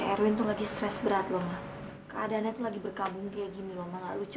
erwin tuh lagi stres berat loh keadaannya tuh lagi berkabung kayak gini mama nggak lucu